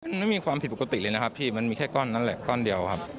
มันไม่มีความผิดปกติเลยนะครับพี่มันมีแค่ก้อนนั้นแหละก้อนเดียวครับ